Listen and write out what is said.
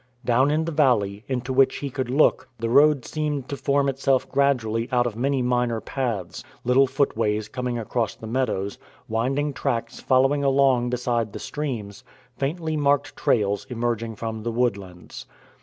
Down in the valley, into which he could look, the road seemed to form itself gradually out of many minor paths; little footways coming across the meadows, winding tracks following along beside the streams, faintly marked trails emerging from the woodlands.